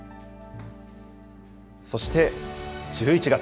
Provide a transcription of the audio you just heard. そして１１月。